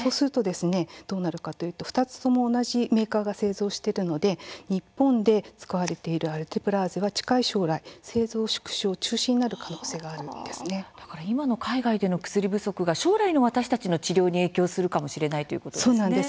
そうしますと２つとも同じメーカーが製造しているので日本で使われているわアルテプラーゼが近い将来製造縮小、中止になる可能性も今の海外での薬不足が将来の私の治療にも影響するかもしれないですね。